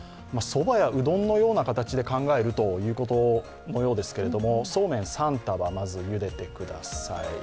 そばやうどんのような形で考えるということのようですけどそうめん３束、まずゆでてください。